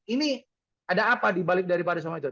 ini ada apa dibalik dari pada saat itu